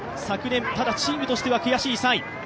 昨年、ただチームとしては悔しい３位。